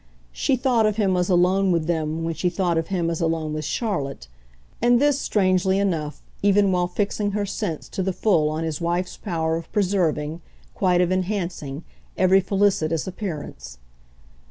She thought of him as alone with them when she thought of him as alone with Charlotte and this, strangely enough, even while fixing her sense to the full on his wife's power of preserving, quite of enhancing, every felicitous appearance.